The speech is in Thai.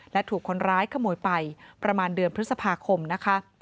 และถูกคนร้ายขโมยไปประมาณเดือนพฤษภาคมนะคะ